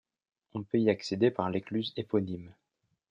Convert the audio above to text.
On peut y accéder par l'écluse éponyme.